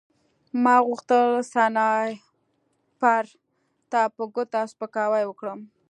ما غوښتل سنایپر ته په ګوته سپکاوی وکړم